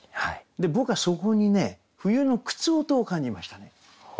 僕はそこにね冬の靴音を感じましたね。